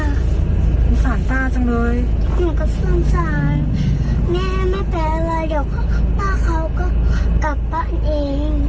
สงสารป้าจังเลยหนูก็สงสารแม่ไม่ไปอะไรเดี๋ยวป้าเขาก็กลับบ้านเอง